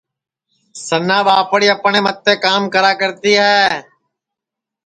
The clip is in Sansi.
سنا ٻاپڑی اپٹؔیں متے کام کراکرتی ہے